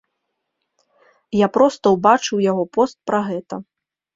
Я проста ўбачыў яго пост пра гэта.